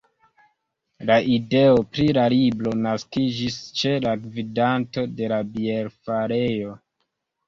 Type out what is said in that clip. La ideo pri la libro naskiĝis ĉe la gvidanto de la bierfarejo.